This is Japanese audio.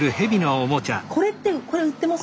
これってこれ売ってます？